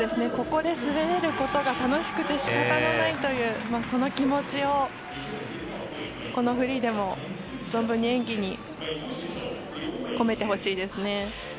ここで滑れることが楽しくて仕方がないというその気持ちをこのフリーでも存分に演技に込めてほしいですね。